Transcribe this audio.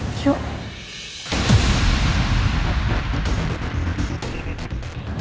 ibu batalin aku